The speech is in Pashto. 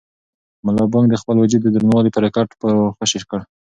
ملا بانګ د خپل وجود دروندوالی پر کټ ور خوشې کړ.